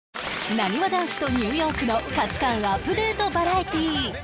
なにわ男子とニューヨークの価値観アップデートバラエティー